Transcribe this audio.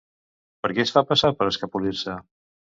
Per qui es fa passar per escapolir-se?